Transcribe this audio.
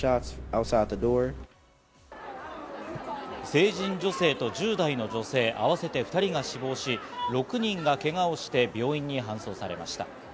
成人女性と１０代の女性、合わせて２人が死亡し、６人がけがをして病院に搬送されました。